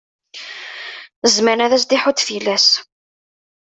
Zzman ad s-d-iḥudd tilas.